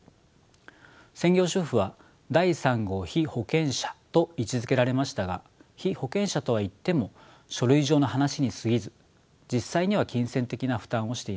専業主婦は第３号被保険者と位置づけられましたが被保険者とはいっても書類上の話にすぎず実際には金銭的な負担をしていません。